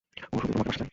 ও শুধু তোমাকে পাশে চায়।